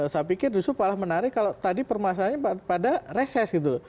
saya pikir justru malah menarik kalau tadi permasalahannya pada reses gitu loh